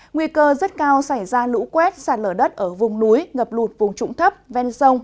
nguy cơ rất cao xảy ra lũ quét sạt lở đất ở vùng núi ngập lụt vùng trụng thấp ven sông